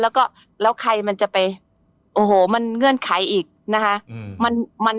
แล้วก็แล้วใครมันจะไปโอ้โหมันเงื่อนไขอีกนะคะ